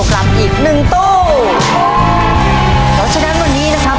คำเอกในโครงสี่สุภาพ